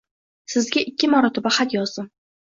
Sizga ikki marotaba xat yozdim.